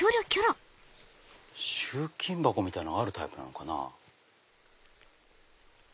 集金箱みたいのがあるタイプなのかな。